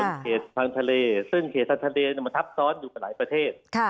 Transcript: เป็นเขตทางทะเลซึ่งเขตทางทะเลมันทับซ้อนอยู่กับหลายประเทศ